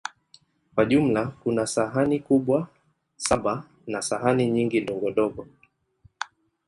Kwa jumla, kuna sahani kubwa saba na sahani nyingi ndogondogo.